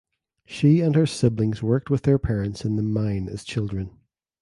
She and her siblings worked with their parents in the mine as children.